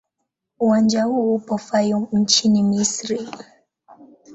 Uwanja huu upo Fayoum nchini Misri.